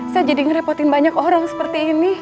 saya jadi ngerepotin banyak orang seperti ini